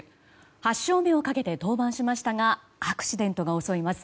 ８勝目をかけて登板しましたがアクシデントが襲います。